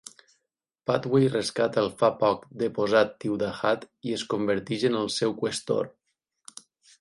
Padway rescata el fa poc deposat Thiudahad i es converteix en el seu qüestor.